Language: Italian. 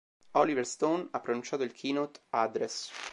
Oliver Stone ha pronunciato il "keynote address".